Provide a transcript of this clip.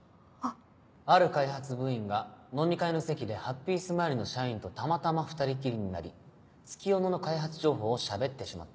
「ある開発部員が飲み会の席でハッピースマイルの社員とたまたま２人きりになり月夜野の開発情報を喋ってしまった。